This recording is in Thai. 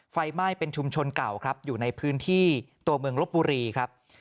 ไฟไหม้เป็นชุมชนเก่าครับอยู่ในพื้นที่ตัวเมืองลบบุรีครับ